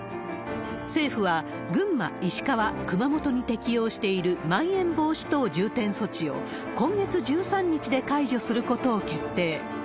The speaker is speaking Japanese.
政府は群馬、石川、熊本に適用しているまん延防止等重点措置を、今月１３日で解除することを決定。